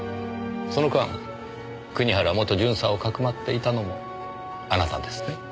その間国原元巡査をかくまっていたのもあなたですね。